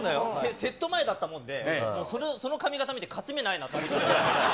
セット前だったもんで、その髪形見て、勝ち目ないなと思って。